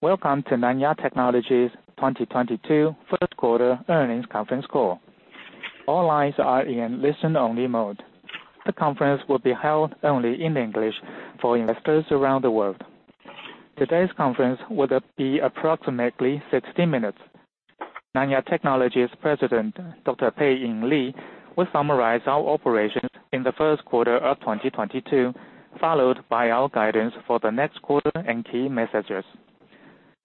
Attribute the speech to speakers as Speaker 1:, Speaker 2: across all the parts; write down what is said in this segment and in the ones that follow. Speaker 1: Welcome to Nanya Technology's 2022 first quarter earnings conference call. All lines are in listen-only mode. The conference will be held only in English for investors around the world. Today's conference will be approximately 60 minutes. Nanya Technology's President, Dr. Pei-Ing Lee, will summarize our operations in the first quarter of 2022, followed by our guidance for the next quarter and key messages.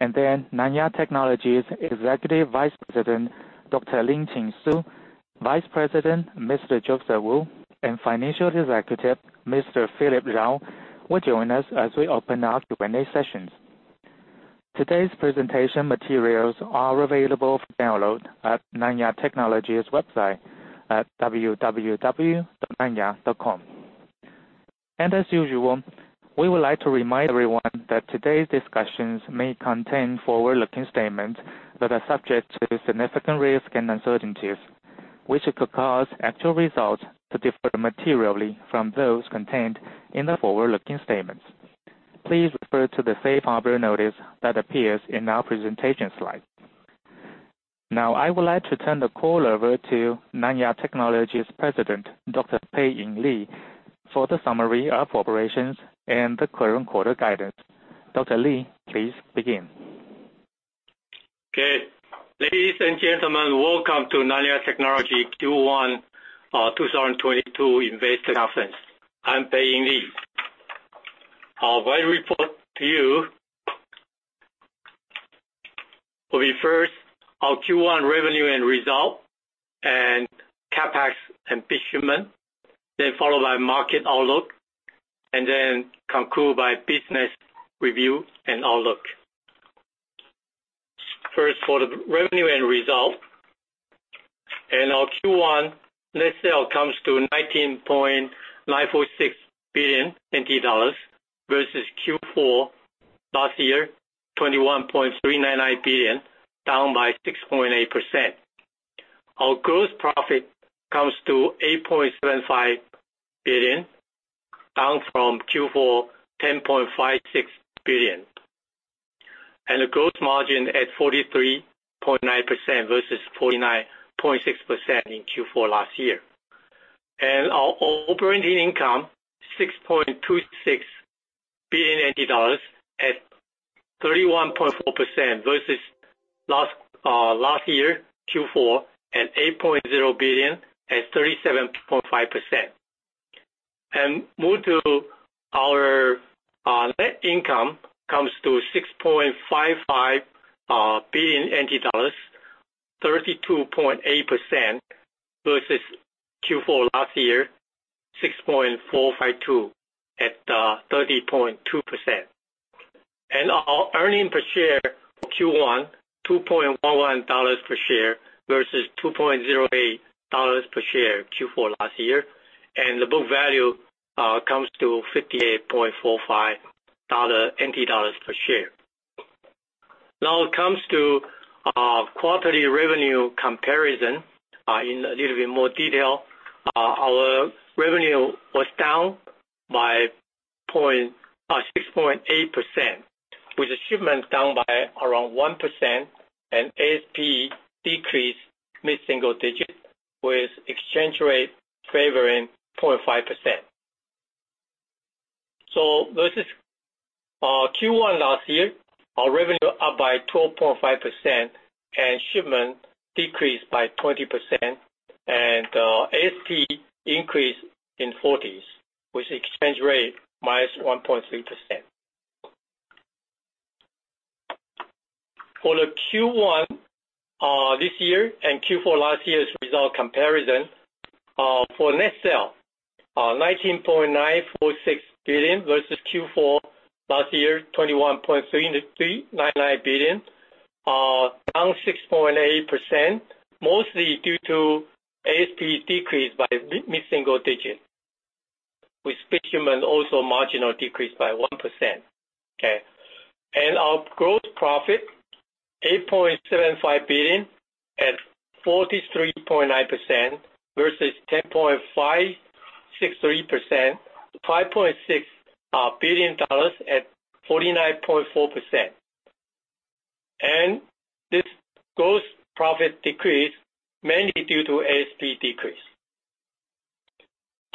Speaker 1: Nanya Technology's Executive Vice President, Dr. Lin-Chin Su, Vice President, Mr. Joseph Wu, and Financial Executive, Mr. Philip Jao, will join us as we open our Q&A sessions. Today's presentation materials are available for download at Nanya Technology's website at www.nanya.com. As usual, we would like to remind everyone that today's discussions may contain forward-looking statements that are subject to significant risks and uncertainties, which could cause actual results to differ materially from those contained in the forward-looking statements. Please refer to the Safe Harbor notice that appears in our presentation slide. Now, I would like to turn the call over to Nanya Technology's President, Dr. Pei-Ing Lee, for the summary of operations and the current quarter guidance. Dr. Lee, please begin.
Speaker 2: Okay. Ladies and gentlemen, welcome to Nanya Technology Q1 2022 Investor Conference. I'm Pei-Ing Lee. My report to you will be first our Q1 revenue and result, and CapEx and shipment, then followed by market outlook, and then conclude by business review and outlook. First, for the revenue and result. Our Q1 net sale comes to NTD 19.946 billion versus Q4 last year, NTD 21.399 billion, down by 6.8%. Our gross profit comes to NTD 8.75 billion, down from Q4, NTD 10.56 billion. The gross margin at 43.9% versus 49.6% in Q4 last year. Our operating income, NTD 6.26 billion dollars at 31.4% versus last year Q4 at NTD 8.0 billion at 37.5%. Move to our net income, comes to NTD 6.55 billion, 32.8% versus Q4 last year, 6.452 at 30.2%. Our earnings per share for Q1, NTD 2.11 per share versus NTD 2.08 per share Q4 last year. The book value comes to NTD 58.45 per share. Now it comes to quarterly revenue comparison in a little bit more detail. Our revenue was down by point. 6.8%, with the shipment down by around 1% and ASP decrease mid-single digit, with exchange rate favoring 0.5%. Versus Q1 last year, our revenue up by 12.5% and shipment decreased by 20%, and ASP increased in 40s, with exchange rate minus 1.3%. For the Q1 this year and Q4 last year's result comparison, for net sale, NTD 19.946 billion versus Q4 last year, NTD 21.3399 billion, down 6.8%, mostly due to ASP decrease by mid-single digit, with shipment also marginal decrease by 1%. Okay? Our gross profit, NTD 8.75 billion at 43.9% versus NTD 10.563 billion at 49.4%. This gross profit decreased mainly due to ASP decrease.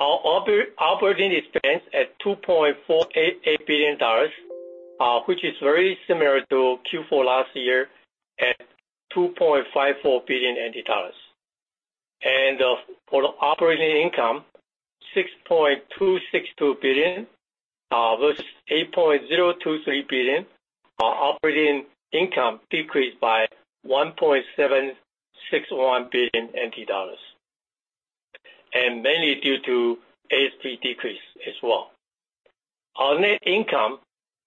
Speaker 2: Our operating expense at NTD 2.488 billion, which is very similar to Q4 last year at NTD 2.54 billion. For operating income, NTD 6.262 billion versus NTD 8.023 billion. Our operating income decreased by NTD 1.761 billion, and mainly due to ASP decrease as well. Our net income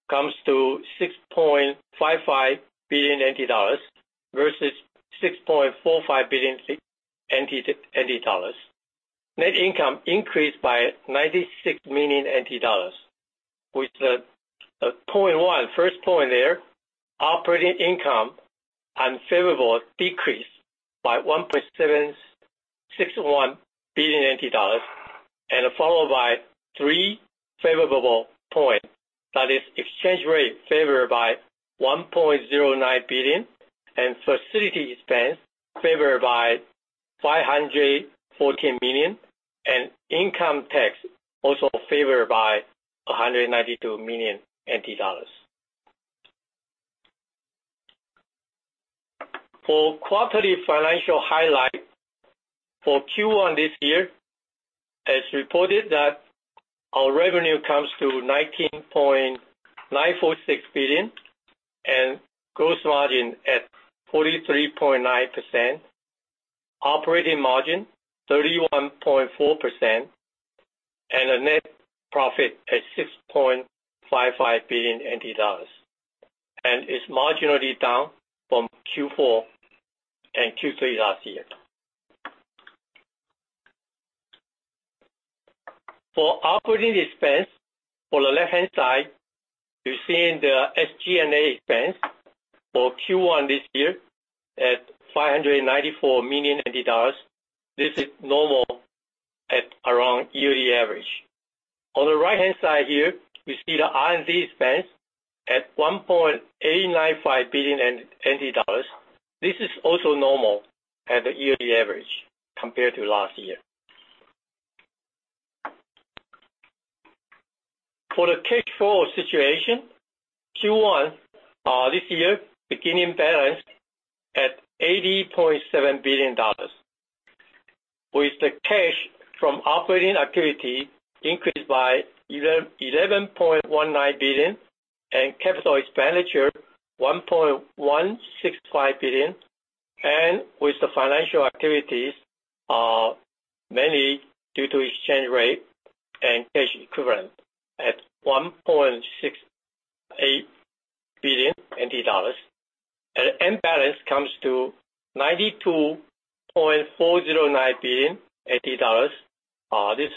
Speaker 2: comes to NTD 6.55 billion versus NTD 6.45 billion. Net income increased by NTD 96 million with the point one, first point there, operating income unfavorable decreased by NTD 1.761 billion, and followed by three favorable point. That is exchange rate favored by NTD 1.09 billion, and facility expense favored by NTD 514 million, and income tax also favored by NTD 192 million. For quarterly financial highlights. For Q1 this year, as reported that our revenue comes to NTD 19.946 billion, and gross margin at 43.9%. Operating margin 31.4%, and a net profit at NTD 6.55 billion. It's marginally down from Q4 and Q3 last year. For operating expense, for the left-hand side, you're seeing the SG&A expense for Q1 this year at NTD 594 million. This is normal at around yearly average. On the right-hand side here, we see the R&D expense at NTD 1.895 billion. This is also normal at the yearly average compared to last year. For the cash flow situation, Q1 this year, beginning balance at NTD 80.7 billion. With the cash from operating activity increased by NTD 11.19 billion and capital expenditure NTD 1.165 billion. With the financial activities, mainly due to exchange rate and cash equivalent at NTD 1.68 billion. End balance comes to NTD 92.409 billion. This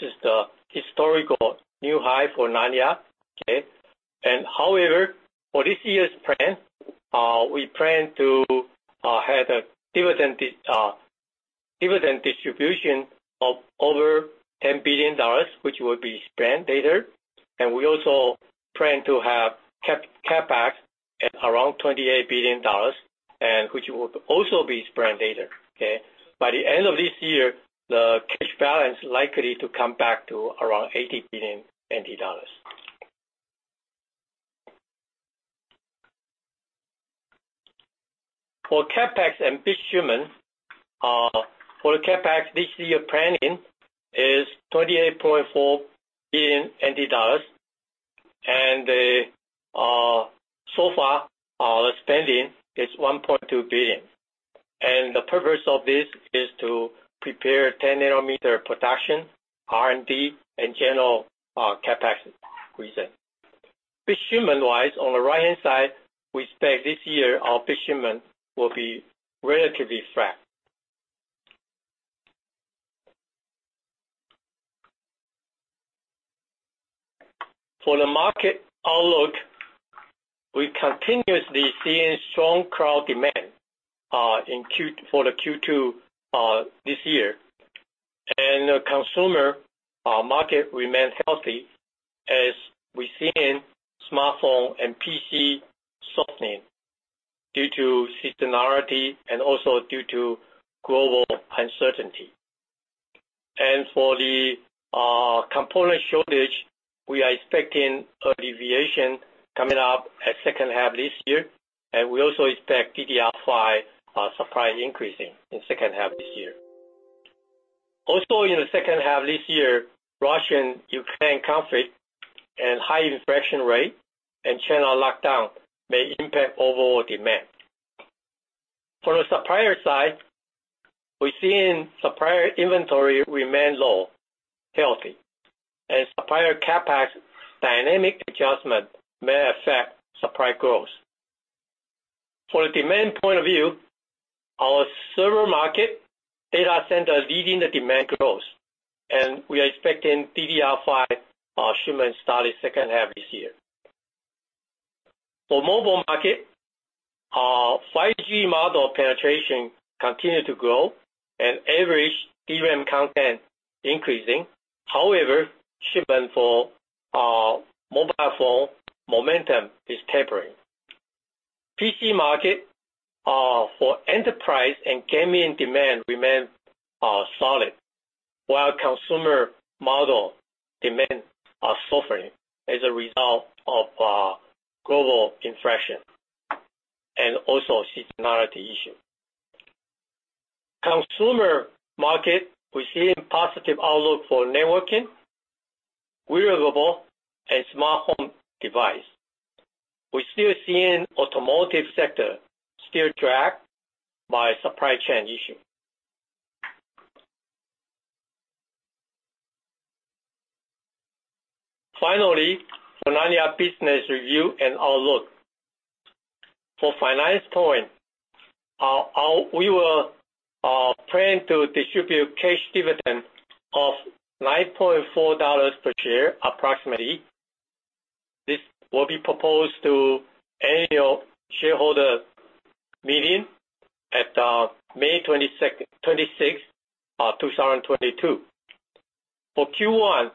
Speaker 2: is the historical new high for Nanya. Okay? However, for this year's plan, we plan to have a dividend distribution of over NTD 10 billion, which will be spent later. We also plan to have CapEx at around NTD 28 billion and which will also be spent later, okay? By the end of this year, the cash balance likely to come back to around NTD 80 billion. For CapEx and bit shipment, this year planning is NTD 28.4 billion. So far, the spending is NTD 1.2 billion. The purpose of this is to prepare 10nm production, R&D, and general CapEx reason. Bit shipment-wise, on the right-hand side, we expect this year our bit shipment will be relatively flat. For the market outlook, we continuously seeing strong cloud demand in Q2 this year. The consumer market remains healthy as we see in smartphone and PC softening due to seasonality and also due to global uncertainty. For the component shortage, we are expecting alleviation coming up at second half this year. We also expect DDR5 supply increasing in second half this year. Also in the second half this year, Russia and Ukraine conflict and high inflation rate and China lockdown may impact overall demand. For the supplier side, we're seeing supplier inventory remain low, healthy. Supplier CapEx dynamic adjustment may affect supply growth. For the demand point of view, our server market data center leading the demand growth, and we are expecting DDR5 shipment start in second half this year. For mobile market, 5G model penetration continue to grow and average DRAM content increasing. However, shipment for mobile phone momentum is tapering. PC market, for enterprise and gaming demand remain solid, while consumer model demand are suffering as a result of global inflation and also seasonality issue. Consumer market, we're seeing positive outlook for networking, wearable and smart home device. We're still seeing automotive sector dragged by supply chain issue. Finally, for Nanya business review and outlook. For finance point, we will plan to distribute cash dividend of NTD 9.4 per share, approximately. This will be proposed to annual shareholder meeting at May 26, 2022. For Q1,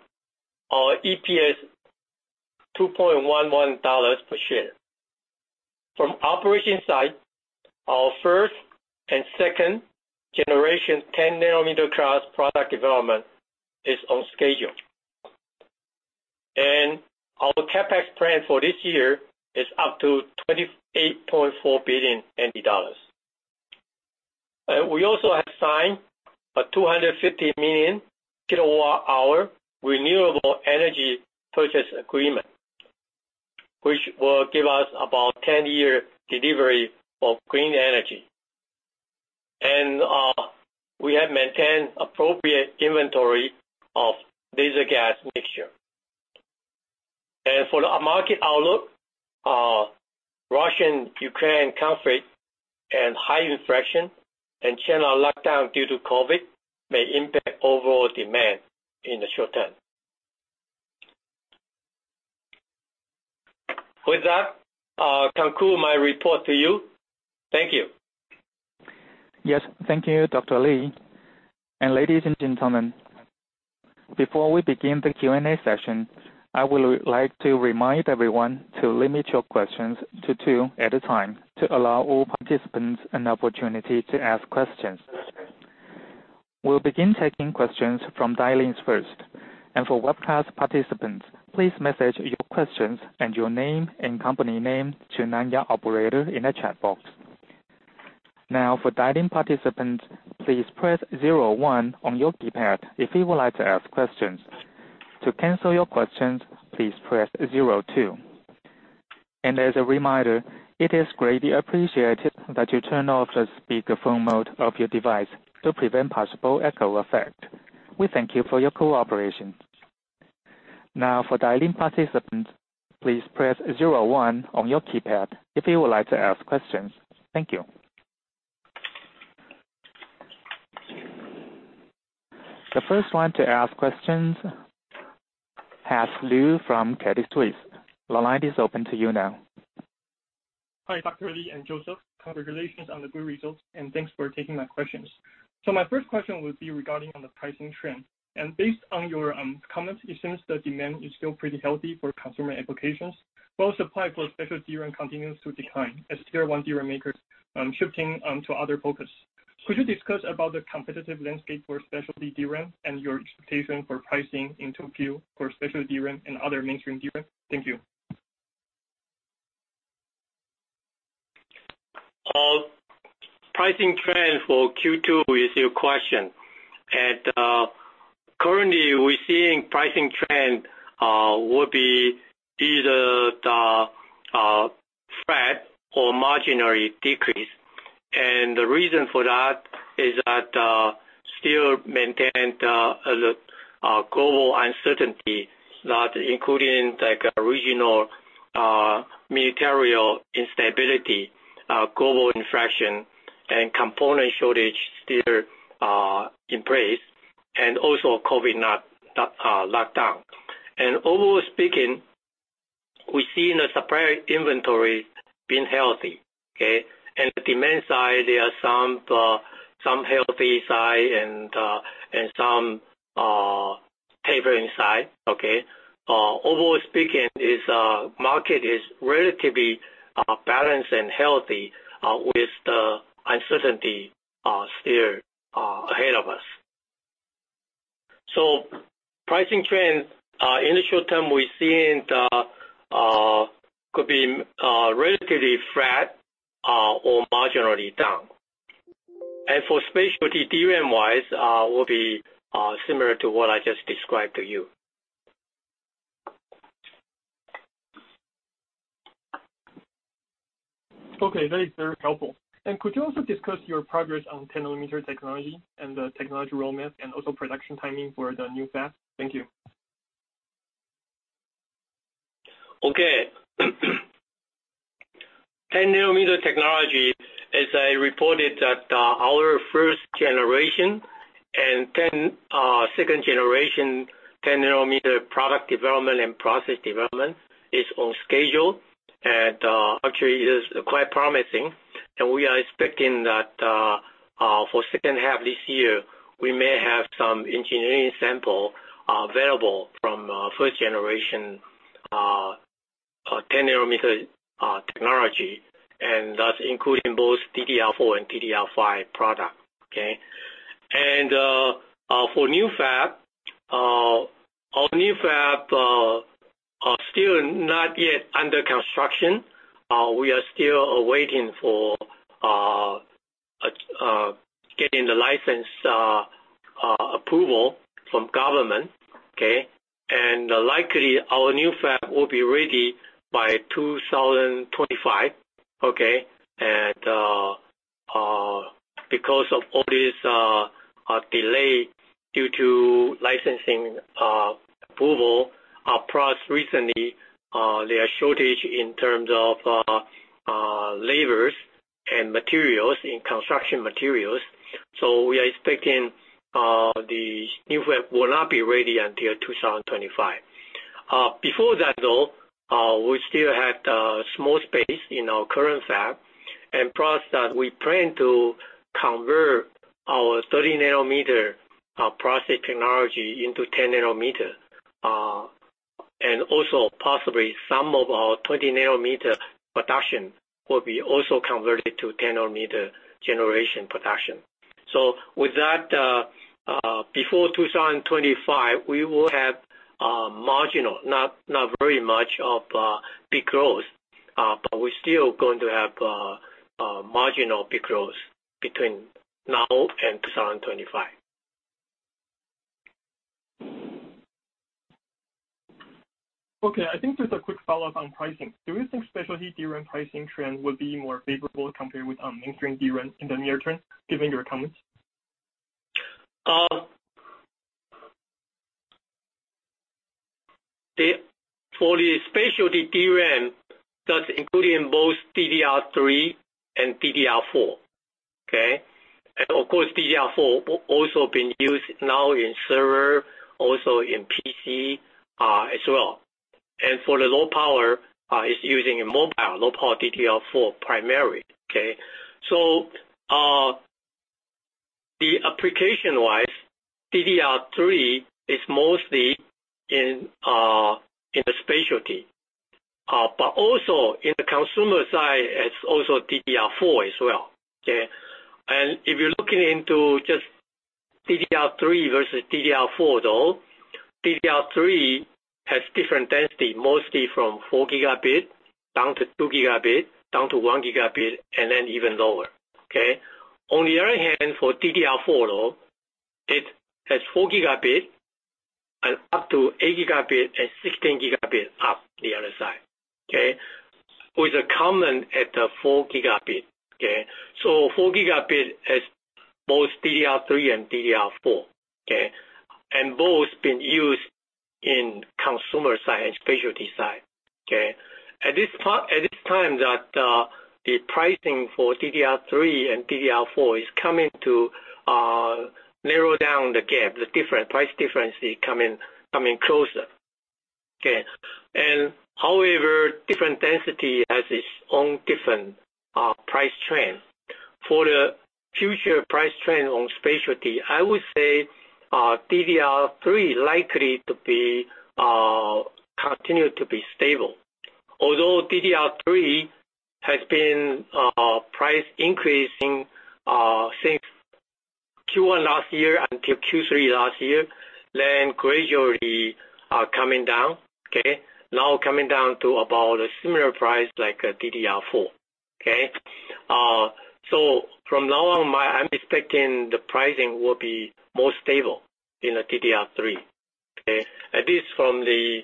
Speaker 2: our EPS NTD 2.11 per share. From operation side, our first and second-generation 10nm-class product development is on schedule. Our CapEx plan for this year is up to NTD 28.4 billion. We also have signed a 250 million kWh renewable energy purchase agreement, which will give us about 10-year delivery of green energy. We have maintained appropriate inventory of laser gas mixture. For the market outlook, Russia and Ukraine conflict and high inflation and China lockdown due to COVID may impact overall demand in the short term. With that, I'll conclude my report to you. Thank you.
Speaker 1: Yes. Thank you, Dr. Lee. Ladies and gentlemen, before we begin the Q&A session, I would like to remind everyone to limit your questions to two at a time to allow all participants an opportunity to ask questions. We'll begin taking questions from dial-ins first. For webcast participants, please message your questions and your name and company name to Nanya operator in the chat box. Now, for dial-in participants, please press zero-one on your keypad if you would like to ask questions. To cancel your questions, please press zero-two. As a reminder, it is greatly appreciated that you turn off the speakerphone mode of your device to prevent possible echo effect. We thank you for your cooperation. Now, for dial-in participants, please press zero-one on your keypad if you would like to ask questions. Thank you. The first one to ask questions, Haas Liu from Credit Suisse. The line is open to you now.
Speaker 3: Hi, Dr. Lee and Joseph. Congratulations on the good results, and thanks for taking my questions. My first question would be regarding on the pricing trend. Based on your comments, it seems the demand is still pretty healthy for consumer applications. While supply for specialty DRAM continues to decline as tier 1 DRAM makers shifting to other focus. Could you discuss about the competitive landscape for specialty DRAM and your expectation for pricing into Q4 for specialty DRAM and other mainstream DRAM? Thank you.
Speaker 2: Pricing trend for Q2 is your question. Currently, we're seeing pricing trend will be either flat or marginally decrease. The reason for that is that we still maintain the global uncertainty that including like regional material instability, global inflation and component shortage still in place and also COVID lockdown. Overall speaking, we see the supplier inventory being healthy, okay? The demand side, there are some healthy signs and some tapering signs, okay? Overall speaking, this market is relatively balanced and healthy with the uncertainty still ahead of us. Pricing trend in the short term, we're seeing it could be relatively flat or marginally down. For specialty DRAM-wise, will be similar to what I just described to you.
Speaker 3: Okay, that is very helpful. Could you also discuss your progress on 10 nm technology and the technology roadmap and also production timing for the new fab? Thank you.
Speaker 2: Okay. 10 nm technology, as I reported that, our first generation and second generation 10 nm product development and process development is on schedule. Actually, it is quite promising. We are expecting that, for second half this year, we may have some engineering sample available from first generation 10 nm technology, and that's including both DDR4 and DDR5 product, okay? For new fab, our new fab are still not yet under construction. We are still waiting for getting the license approval from government, okay? Likely our new fab will be ready by 2025, okay? Because of all these delays due to licensing approval, plus recently, there are shortages in terms of labor and materials, in construction materials. We are expecting new fab will not be ready until 2025. Before that though, we still have the small space in our current fab and process that we plan to convert our 30 nm process technology into 10 nm. And also possibly some of our 20 nm production will be also converted to 10 nm generation production. With that, before 2025, we will have marginal, not very much of big growth, but we're still going to have marginal big growth between now and 2025.
Speaker 3: Okay, I think just a quick follow-up on pricing. Do you think specialty DRAM pricing trend will be more favorable compared with mainstream DRAM in the near term, given your comments?
Speaker 2: For the specialty DRAM, that's including both DDR3 and DDR4. Okay? Of course, DDR4 also been used now in server, also in PC, as well. For the low power, it's using a mobile low power DDR4 primary. Okay? The application wise, DDR3 is mostly in the specialty. But also in the consumer side, it's also DDR4 as well. Okay? If you're looking into just DDR3 versus DDR4 though, DDR3 has different density, mostly from 4 Gb down to 2 Gb, down to 1 Gb, and then even lower. Okay? On the other hand, for DDR4 though, it has 4 Gb and up to 8 Gb and 16 Gb up the other side. Okay? With a common at the 4 Gb. Okay? 4 Gb has both DDR3 and DDR4. Okay? Both been used in consumer side and specialty side. Okay? At this time that the pricing for DDR3 and DDR4 is coming to narrow down the gap, the price difference is coming closer. Okay. However, different density has its own different price trend. For the future price trend on specialty, I would say, DDR3 likely to be continue to be stable. Although DDR3 has been price increasing since Q1 last year until Q3 last year, then gradually coming down. Okay? Now coming down to about a similar price like DDR4. Okay? From now on, I'm expecting the pricing will be more stable in the DDR3. Okay? At least from the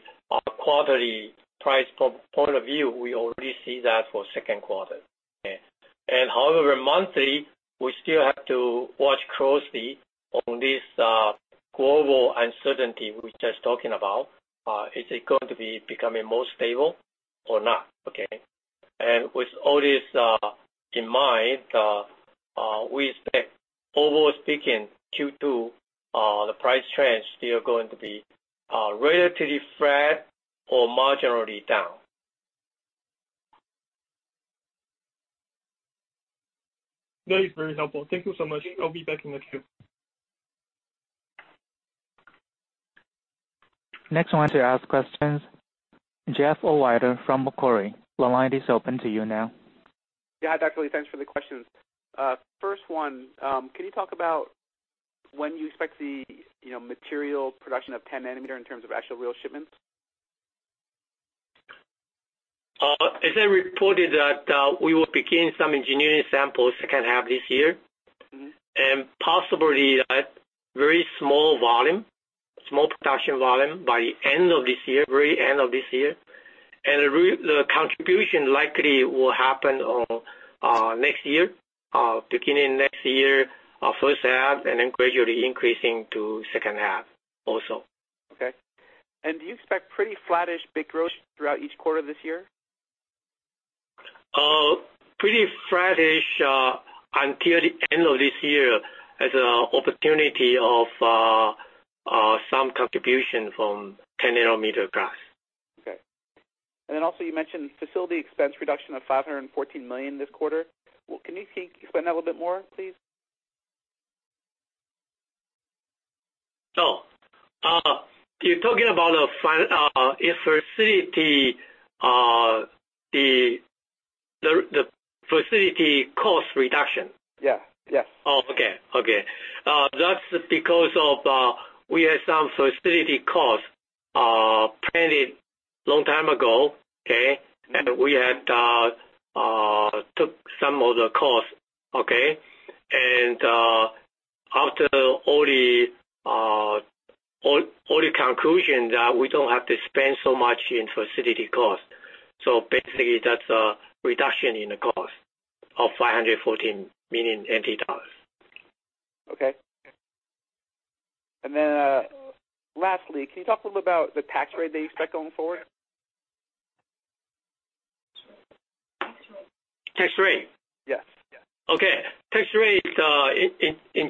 Speaker 2: quarterly price point of view, we already see that for second quarter. Okay. However, monthly, we still have to watch closely on this global uncertainty we just talking about. Is it going to be becoming more stable or not? Okay. With all this in mind, we expect overall speaking Q2 the price trend still going to be relatively flat or marginally down.
Speaker 3: That is very helpful. Thank you so much. I'll be back in the queue.
Speaker 1: Next one to ask questions, Jeff Ohlweiler from Macquarie. The line is open to you now.
Speaker 4: Yeah. Dr. Lee, thanks for the questions. First one, can you talk about when you expect the, you know, material production of 10 nm in terms of actual real shipments?
Speaker 2: As I reported that, we will begin some engineering samples second half this year. Possibly that very small volume, small production volume by end of this year, very end of this year. The contribution likely will happen on next year, beginning next year, first half, and then gradually increasing to second half also.
Speaker 4: Okay. Do you expect pretty flattish bit growth throughout each quarter this year?
Speaker 2: Pretty flattish until the end of this year as an opportunity of some contribution from 10 nm class.
Speaker 4: Okay. You also mentioned facility expense reduction of NTD 514 million this quarter. Can you explain that a little bit more, please?
Speaker 2: You're talking about a facility cost reduction?
Speaker 4: Yeah. Yes.
Speaker 2: Oh, okay. That's because we had some facility costs planned long time ago. We took some of the costs. After all the conclusion that we don't have to spend so much in facility cost. Basically that's a reduction in the cost of NTD 514 million.
Speaker 4: Lastly, can you talk a little about the tax rate that you expect going forward?
Speaker 2: Tax rate?
Speaker 4: Yes. Yeah.
Speaker 2: Okay. Tax rate,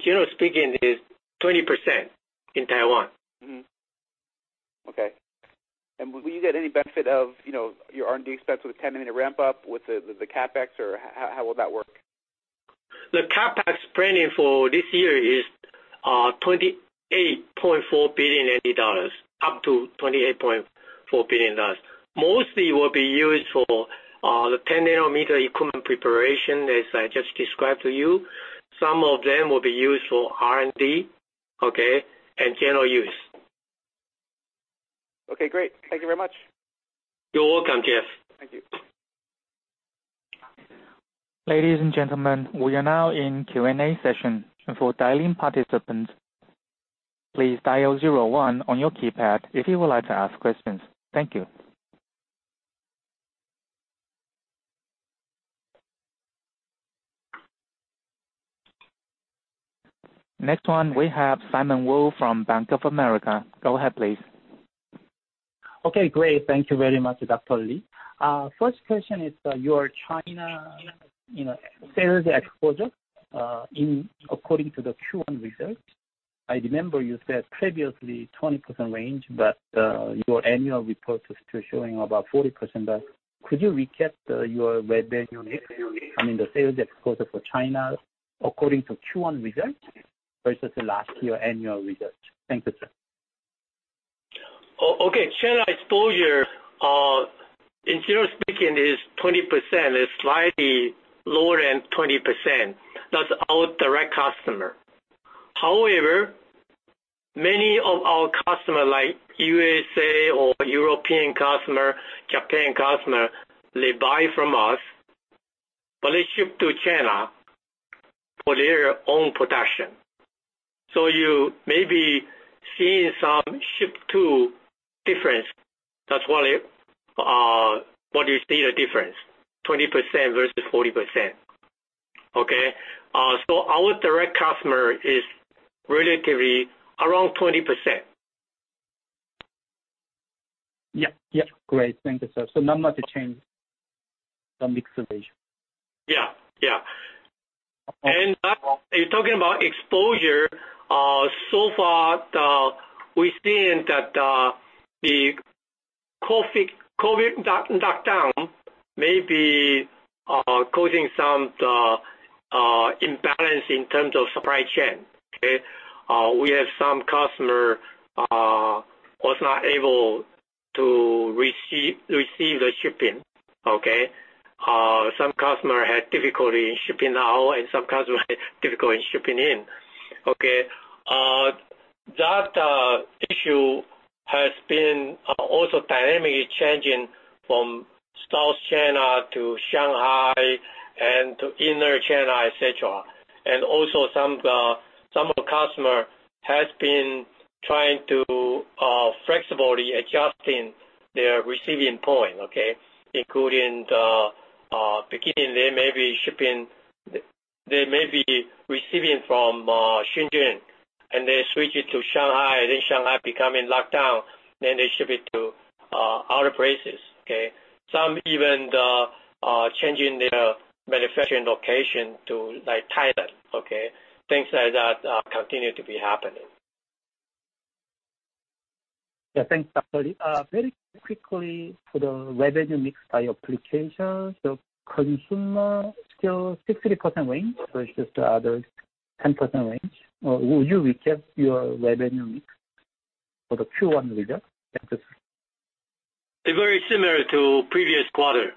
Speaker 2: generally speaking, is 20% in Taiwan.
Speaker 4: Okay. Will you get any benefit of, you know, your R&D expense with 10 nm ramp up with the CapEx or how will that work?
Speaker 2: The CapEx planning for this year is NTD 28.4 billion, up to NTD 28.4 billion. Mostly will be used for the 10 nm equipment preparation, as I just described to you. Some of them will be used for R&D, okay? General use.
Speaker 4: Okay, great. Thank you very much.
Speaker 2: You're welcome, Jeff.
Speaker 4: Thank you.
Speaker 1: Ladies and gentlemen, we are now in Q&A session. For dialing participants, please dial zero one on your keypad if you would like to ask questions. Thank you. Next one we have Simon Woo from Bank of America. Go ahead, please.
Speaker 5: Okay, great. Thank you very much, Dr. Lee. First question is, your China, you know, sales exposure, according to the Q1 results. I remember you said previously 20% range, but your annual report is still showing about 40%. Could you recap, your revenue I mean, the sales exposure for China according to Q1 results versus the last year annual results? Thank you, sir.
Speaker 2: Okay. China exposure, in general speaking is 20%. It's slightly lower than 20%. That's our direct customer. However, many of our customer, like U.S. or European customer, Japanese customer, they buy from us, but they ship to China for their own production. You may be seeing some ship-to difference. That's why you see the difference, 20% versus 40%. Okay. Our direct customer is relatively around 20%.
Speaker 5: Yeah. Great. Thank you, sir. Not much change from mix of Asia.
Speaker 2: Talking about exposure, so far we've seen that the COVID lockdown may be causing some imbalance in terms of supply chain. Okay? We have some customer was not able to receive the shipping, okay? Some customer had difficulty in shipping out, and some customer had difficulty in shipping in. Okay. That issue has been also dynamically changing from South China to Shanghai and to Inner China, et cetera. Some of the customer has been trying to flexibly adjusting their receiving point, okay? Including the beginning they may be shipping. They may be receiving from Shenzhen, and they switch it to Shanghai. Then Shanghai becoming locked down, then they ship it to other places, okay? Some even changing their manufacturing location to like Thailand, okay? Things like that continue to be happening.
Speaker 5: Yeah, thanks, Dr. Lee. Very quickly for the revenue mix by applications. So consumer still 60% range versus the other 10% range? Or would you recap your revenue mix for the Q1 result? Thank you, sir.
Speaker 2: It's very similar to the previous quarter.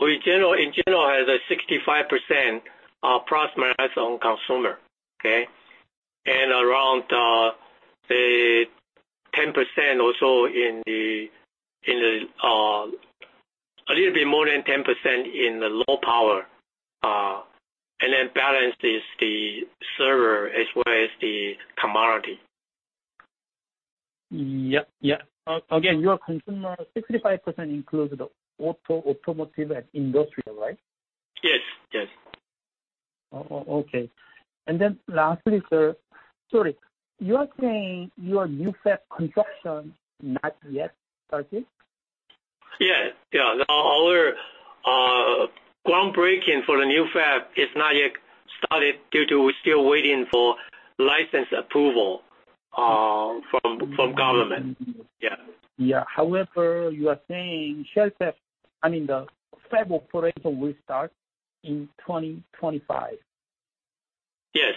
Speaker 2: In general, it has approximately 65% on consumer. Okay? Around, say 10% or so, a little bit more than 10% in the low power. Then the balance is the server as well as the commodity.
Speaker 5: Yeah. Yeah. Again, your consumer 65% includes the auto, automotive and industrial, right?
Speaker 2: Yes. Yes.
Speaker 5: Okay. Lastly, sir. Sorry. You are saying your new fab construction not yet started?
Speaker 2: Yes. Yeah. Our groundbreaking for the new fab is not yet started due to we're still waiting for license approval from government. Yeah.
Speaker 5: Yeah. However, you are saying second half, I mean, the fab operation will start in 2025.
Speaker 2: Yes.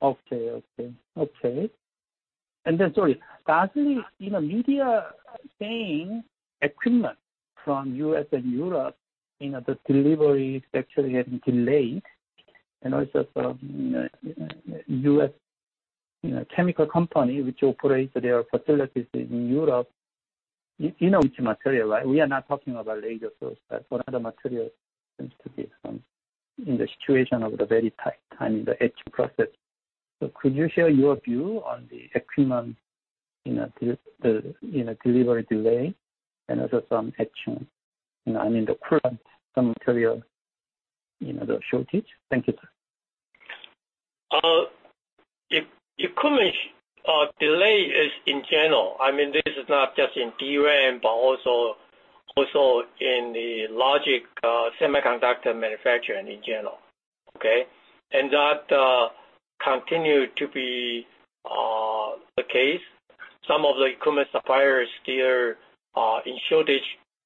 Speaker 5: Okay. Sorry, lastly, you know, media saying equipment from U.S. and Europe, you know, the delivery is actually getting delayed. Also from U.S., you know, chemical company which operates their facilities in Europe, you know which material, right? We are not talking about laser source, but what other material seems to be some in the situation of the very tight time in the etching process. Could you share your view on the equipment, you know, the delivery delay and also some etching, you know, I mean, the current material, you know, the shortage? Thank you, sir.
Speaker 2: It's in general. I mean, this is not just in DRAM, but also in the logic semiconductor manufacturing in general. Okay? That continued to be the case. Some of the equipment suppliers still are in shortage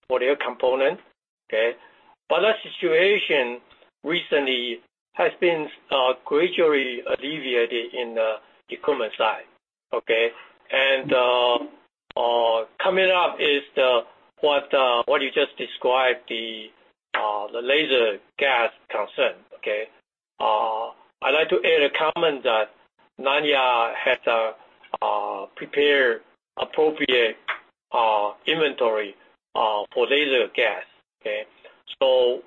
Speaker 2: for their component, okay? That situation recently has been gradually alleviated in the equipment side, okay? Coming up is what you just described, the laser gas concern, okay? I'd like to add a comment that Nanya has prepared appropriate inventory for laser gas, okay? So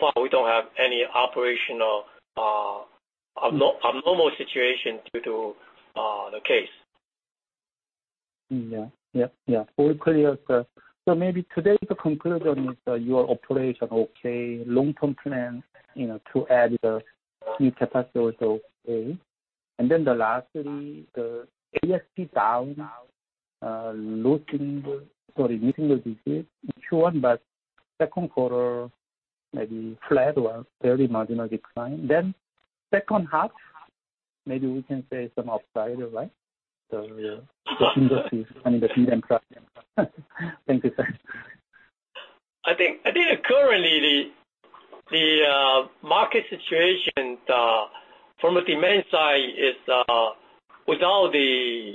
Speaker 2: far, we don't have any operational abnormal situation due to the case.
Speaker 5: Yeah. Yep, yeah. All clear, sir. Maybe today, the conclusion is, your operation okay, long-term plan, you know, to add the new capacity also okay. The last three, the ASP down, losing the digit, sure, but second quarter maybe flat or very marginal decline. Second half, maybe we can say some upside, right? Yeah. The industry and the DRAM trend. Thank you, sir.
Speaker 2: I think currently the market situation from a demand side is without the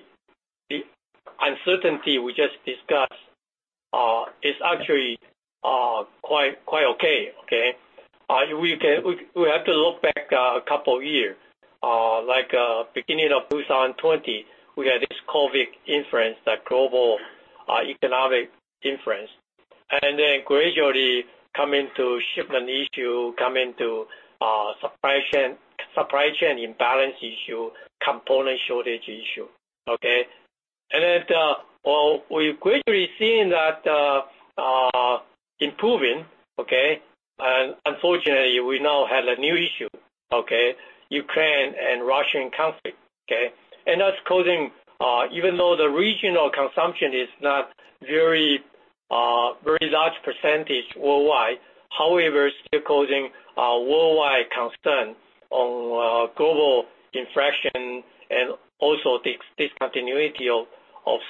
Speaker 2: uncertainty we just discussed is actually quite okay. We have to look back a couple years. Like beginning of 2020, we had this COVID interference, the global economic interference, and then gradually come into shipment issue, come into supply chain imbalance issue, component shortage issue. Okay? Well, we're gradually seeing that improving. Okay? Unfortunately, we now have a new issue. Okay? Ukraine and Russia conflict. Okay? That's causing, even though the regional consumption is not very large percentage worldwide, however, still causing worldwide concern on global inflation and also discontinuity of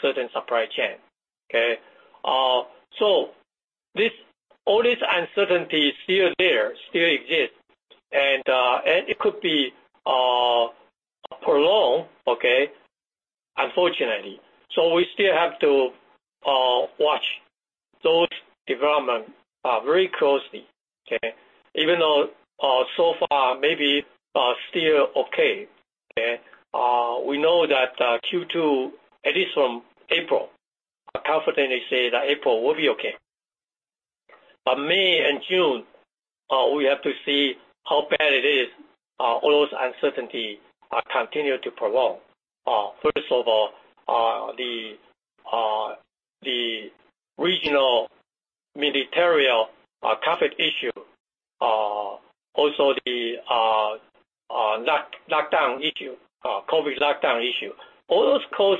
Speaker 2: certain supply chain. Okay? All this uncertainty is still there, still exists. It could be prolonged. Unfortunately. We still have to watch those developments very closely. Even though so far maybe still okay. We know that Q2, at least from April, I confidently say that April will be okay. May and June, we have to see how bad it is, all those uncertainty continue to prolong. First of all, the regional military conflict issue, also the lockdown issue, COVID lockdown issue, all those cause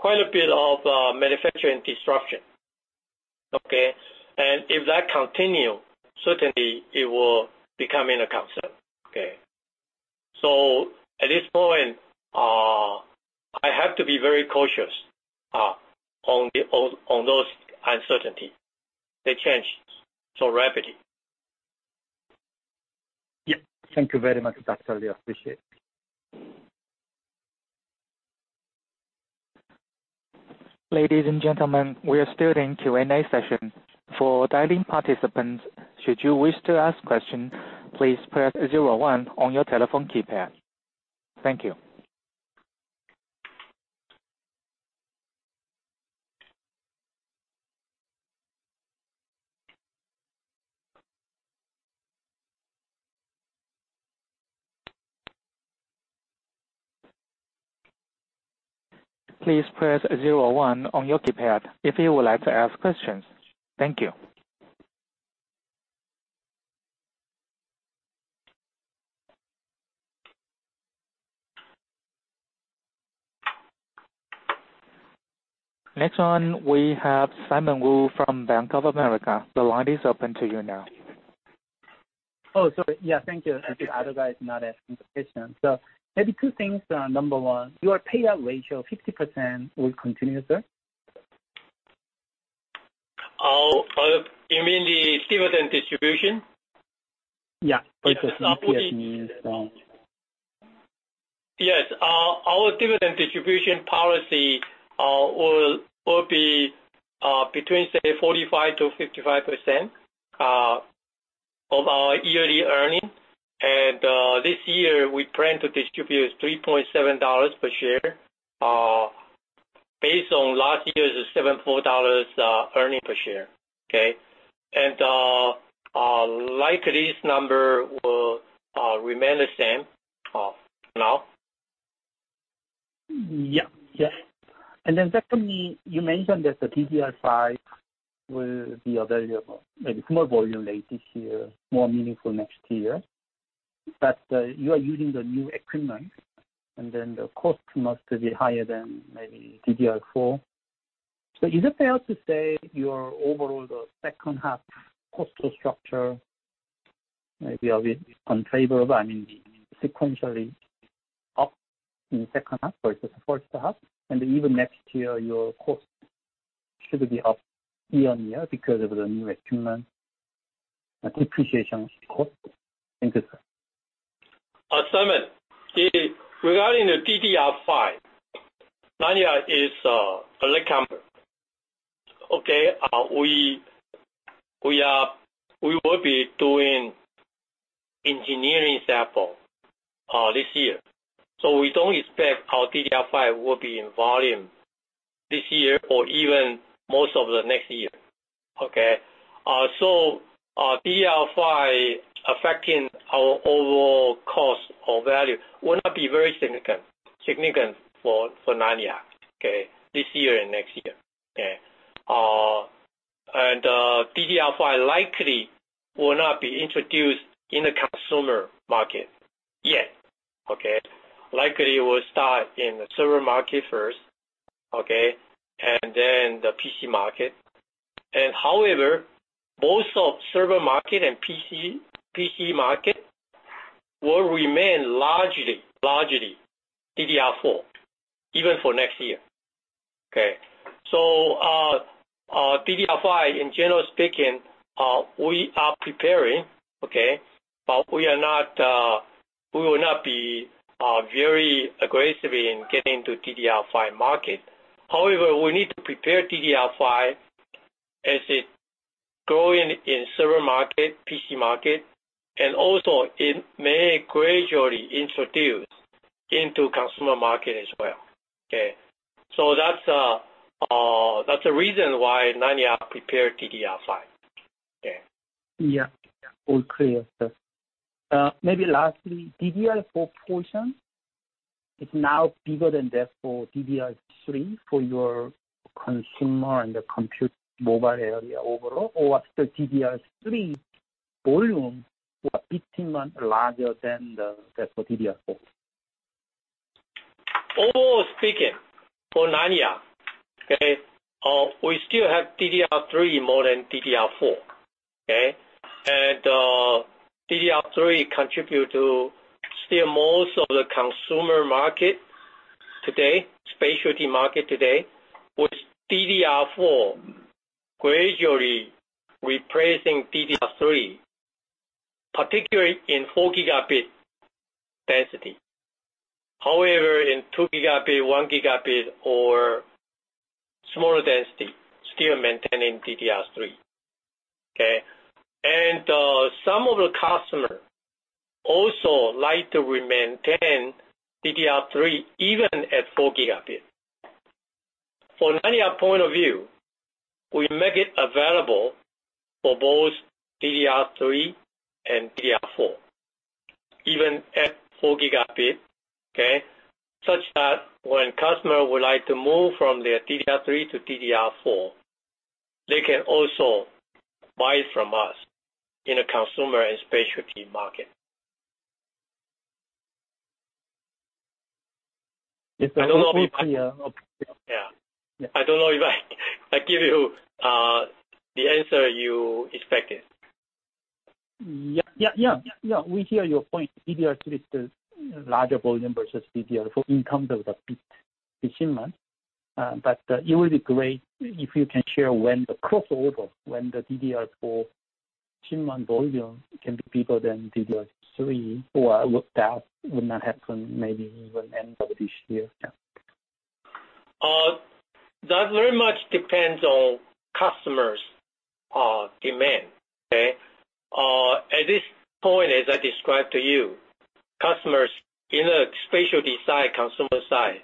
Speaker 2: quite a bit of manufacturing disruption. If that continue, certainly it will become a concern. At this point, I have to be very cautious on those uncertainty. They change so rapidly.
Speaker 5: Yeah. Thank you very much, Dr. Lee. Appreciate it.
Speaker 1: Ladies and gentlemen, we are still in Q&A session. Next one we have Simon Woo from Bank of America. The line is open to you now.
Speaker 5: Oh, sorry. Yeah, thank you.
Speaker 1: Okay.
Speaker 5: Other guy is not asking the question. Maybe two things. Number one, your payout ratio of 50% will continue, sir?
Speaker 2: Or, you mean the dividend distribution?
Speaker 5: Yeah.
Speaker 2: It's supporting.
Speaker 5: With the.
Speaker 2: Yes. Our dividend distribution policy will be between, say, 45%-55% of our yearly earnings. Likely this number will remain the same now.
Speaker 5: Yeah. Yes. Secondly, you mentioned that the DDR5 will be available maybe small volume late this year, more meaningful next year. You are using the new equipment, and then the cost must be higher than maybe DDR4. Is it fair to say your overall, the second half cost structure maybe will be unfavorable? I mean, sequentially up in the second half versus first half, and even next year, your cost should be up year on year because of the new equipment depreciation cost. Thank you, sir.
Speaker 2: Simon, regarding the DDR5, Nanya is early adopter. We will be doing engineering sample this year. We don't expect our DDR5 will be in volume this year or even most of the next year. DDR5 affecting our overall cost or value will not be very significant for Nanya this year and next year. DDR5 likely will not be introduced in the consumer market yet. Likely will start in the server market first, and then the PC market. However, most of server market and PC market will remain largely DDR4 even for next year. DDR5, in general speaking, we are preparing. We will not be very aggressive in getting to DDR5 market. However, we need to prepare DDR5 as it grow in server market, PC market, and also it may gradually introduce into consumer market as well. Okay. That's the reason why Nanya prepare DDR5. Okay.
Speaker 5: Yeah. All clear, sir. Maybe lastly, DDR4 portion is now bigger than for DDR3 in your consumer and the compute mobile area overall, or the DDR3 volume for 18 months larger than for DDR4.
Speaker 2: Overall speaking, for Nanya, we still have DDR3 more than DDR4. DDR3 contribute to still most of the consumer market today, specialty market today. With DDR4 gradually replacing DDR3, particularly in 4 Gb density. However, in 2 Gb, 1 Gb or smaller density, still maintaining DDR3. Some of the customer also like to remain on DDR3 even at 4 Gb. For Nanya point of view, we make it available for both DDR3 and DDR4, even at 4 Gb. Such that when customer would like to move from their DDR3 to DDR4, they can also buy it from us in a consumer and specialty market.
Speaker 5: It's a little bit clear. Okay.
Speaker 2: Yeah.
Speaker 5: Yeah.
Speaker 2: I don't know if I give you the answer you expected.
Speaker 5: Yeah. We hear your point. DDR3 is the larger volume versus DDR4 in terms of bit shipment. But it would be great if you can share when the crossover, when the DDR4 shipment volume can be bigger than DDR3 or whether it will not happen maybe even end of this year. Yeah.
Speaker 2: That very much depends on customers, demand. At this point, as I described to you, customers in a specialty side, consumer side,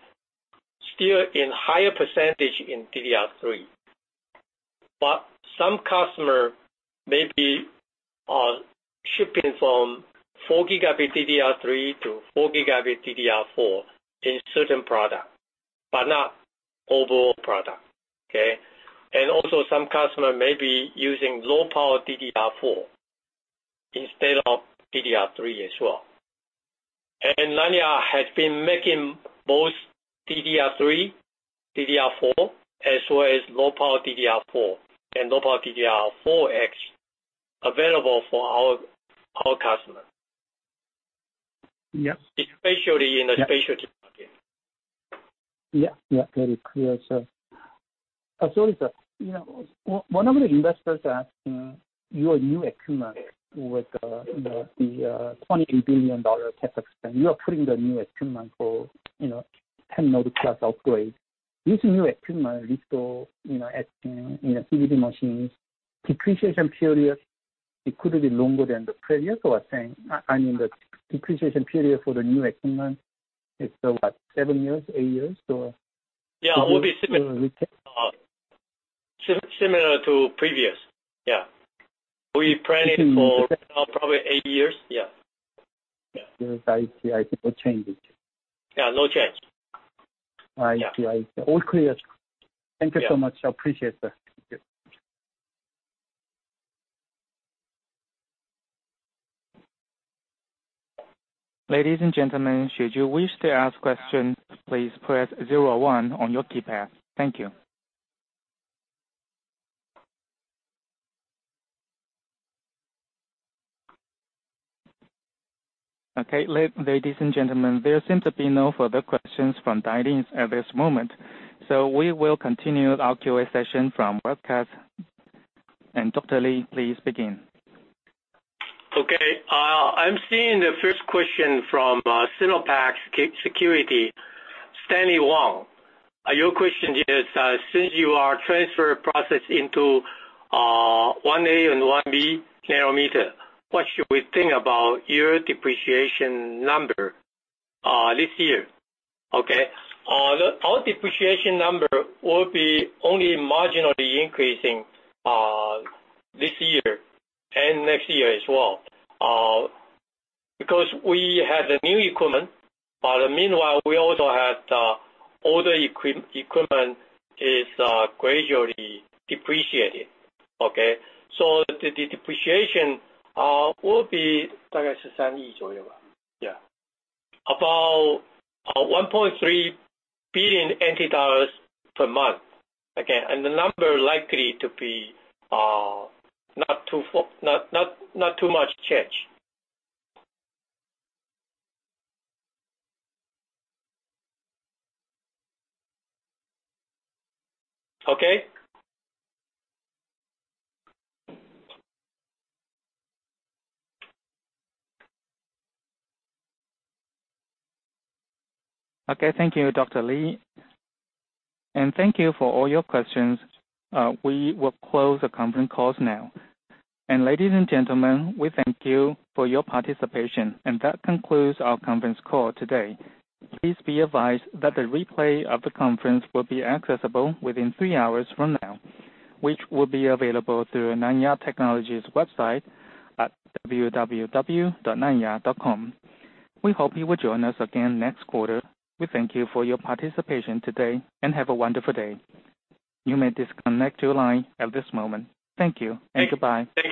Speaker 2: still in higher percentage in DDR3. Some customer may be shipping from 4 Gb DDR3 to 4 Gb DDR4 in certain product, but not overall product. Also some customer may be using low power DDR4 instead of DDR3 as well. Nanya has been making both DDR3, DDR4, as well as low power DDR4 and low power DDR4X available for our customer.
Speaker 5: Yep.
Speaker 2: Especially in the specialty market.
Speaker 5: Very clear, sir. Sorry, sir. You know, one of the investors asking your new equipment with the twenty-eight billion dollar CapEx spend, you are putting the new equipment for, you know, 10 nm plus upgrade. This new equipment, these sort of etching, you know, PVD machines, depreciation period, it could be longer than the previous or same. I mean the depreciation period for the new equipment is, what, seven years, eight years, or?
Speaker 2: Yeah.
Speaker 5: Or.
Speaker 2: It will be similar. Similar to previous. Similar to previous. Yeah. Been in it for now probably eight years. Yeah. Yeah.
Speaker 5: I see. No changes.
Speaker 2: Yeah, no change.
Speaker 5: I see. All clear. Thank you so much. I appreciate that.
Speaker 1: Ladies and gentlemen, there seems to be no further questions from dial-ins at this moment, so we will continue our QA session from webcast. Dr. Lee, please begin.
Speaker 2: I'm seeing the first question from SinoPac Securities, Stanley Wong. Your question is, since you are transferring process into 1A and 1B nanometer, what should we think about your depreciation number this year? Our depreciation number will be only marginally increasing this year and next year as well, because we have the new equipment, but meanwhile we also have older equipment is gradually depreciating. The depreciation will be about NTD 1.3 billion per month. The number is likely to be not too far not too much change.
Speaker 1: Okay. Thank you, Dr. Lee. Thank you for all your questions. We will close the conference call now. Ladies and gentlemen, we thank you for your participation, and that concludes our conference call today. Please be advised that the replay of the conference will be accessible within three hours from now, which will be available through Nanya Technology's website at www.nanya.com. We hope you will join us again next quarter. We thank you for your participation today and have a wonderful day. You may disconnect your line at this moment. Thank you and goodbye.